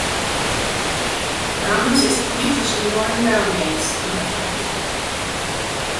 Ramos ist politisch in neun Baranggays unterteilt.